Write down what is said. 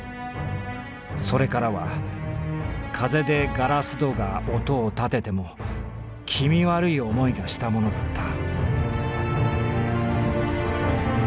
それからは風でガラス戸が音をたてても気味悪いおもいがしたものだった」。